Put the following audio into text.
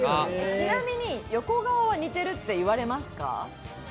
ちなみに横顔は似てるって言われますか？